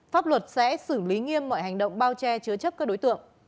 pháp luật sẽ xử lý nghiêm mọi hành động bao che chứa chấp các đối tượng